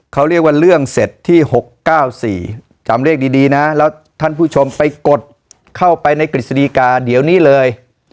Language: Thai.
เขาเรียกว่าเรื่องเสร็จที่๖๙๔จำเลขดีนะแล้วท่านผู้ชมไปกดเข้าไปในกฤษฎีกาเดี๋ยวนี้เลย